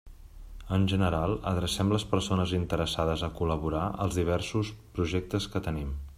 En general, adrecem les persones interessades a col·laborar als diversos projectes que tenim.